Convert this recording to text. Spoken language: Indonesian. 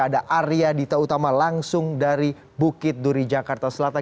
ada arya dita utama langsung dari bukit duri jakarta selatan